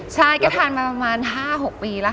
ใช่ก็ทานมาประมาณ๕๖ปีแล้วค่ะ